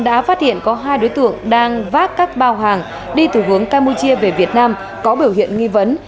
đã phát hiện có hai đối tượng đang vác các bao hàng đi từ hướng campuchia về việt nam có biểu hiện nghi vấn